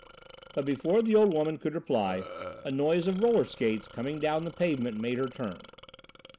But before the old woman could reply, a noise of roller skates coming down the pavement made her turn.